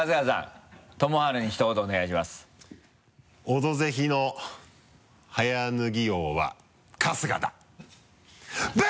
「オドぜひ」の早脱ぎ王は春日だ！